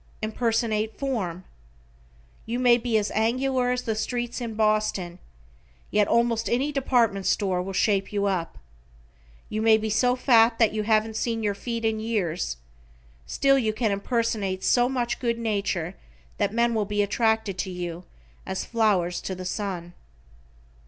Impersonate form. You may be as angular as the streets in Boston, yet almost any department store will shape you up. You may be so fat that you haven't seen your feet in years, still you can impersonate so much good nature that men will be attracted to you as flowers to the sun.